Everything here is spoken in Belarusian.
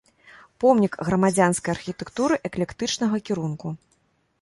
Помнік грамадзянскай архітэктуры эклектычнага кірунку.